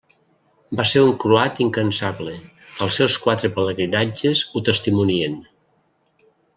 Va ser un croat incansable, els seus quatre pelegrinatges ho testimonien.